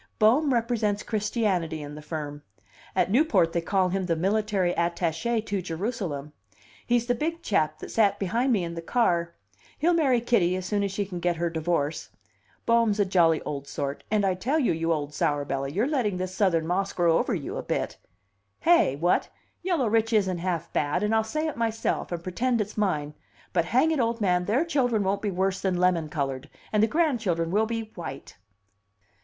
Bohm represents Christianity in the firm. At Newport they call him the military attache to Jerusalem. He's the big chap that sat behind me in the car. He'll marry Kitty as soon as she can get her divorce. Bohm's a jolly old sort and I tell you, you old sourbelly, you're letting this Southern moss grow over you a bit. Hey? What? Yellow rich isn't half bad, and I'll say it myself, and pretend it's mine; but hang it, old man, their children won't be worse than lemon colored, and the grandchildren will be white!"